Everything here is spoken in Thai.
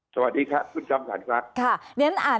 สวัสดีค่ะคุณคำศาลครับ